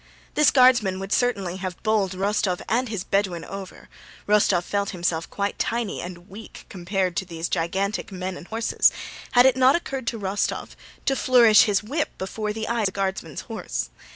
This Guardsman would certainly have bowled Rostóv and his Bedouin over (Rostóv felt himself quite tiny and weak compared to these gigantic men and horses) had it not occurred to Rostóv to flourish his whip before the eyes of the Guardsman's horse.